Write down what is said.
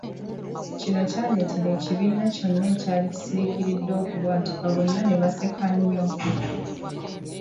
Kino ky’aleetera ekibiina kyonna ekyali kisiriikiridde okubwatuka bonna ne baseka nnyo.